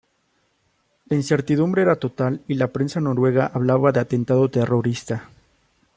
La incertidumbre era total y la prensa noruega hablaba de atentado terrorista.